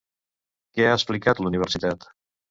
Què ha explicat la Universitat?